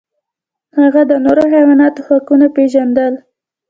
هغه د نورو حیواناتو حقونه پیژندل.